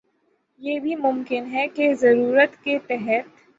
یہ بھی ممکن ہے کہہ ضرورت کے تحت